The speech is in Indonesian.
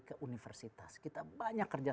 ke universitas kita banyak kerja